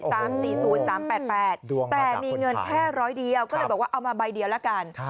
แต่มีเงินแค่ร้อยเดียวก็เลยบอกว่าเอามาใบเดียวละกัน